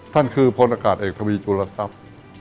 ท่านคือโพนอากาศเอกทวีจุฬศัพท์